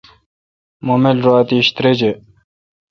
مہ مل رو اتیش تریجہ۔